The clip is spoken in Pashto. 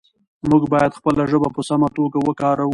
موږ باید خپله ژبه په سمه توګه وکاروو